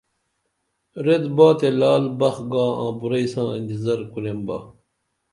ریت با تے لعل بخ گا آں بُراعی ساں انتظر کُریمبا